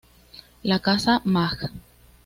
La Casa Maj.